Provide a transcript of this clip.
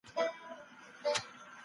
خلیفه د خلګو ترمنځ په حقه فيصلي کولي.